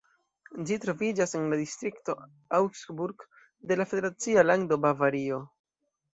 Ĝi troviĝas en la distrikto Augsburg de la federacia lando Bavario.